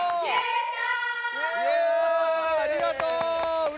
ありがとう！